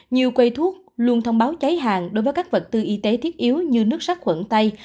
nhiều quầy thuốc luôn thông báo cháy hàng đối với các vật tư y tế thiết yếu như nước sắc khuẩn tay